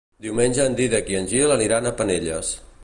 Diumenge en Dídac i en Gil aniran a Penelles.